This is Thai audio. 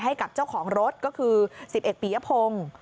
ให้กับเจ้าของรถก็คือ๑๑ปียพงศ์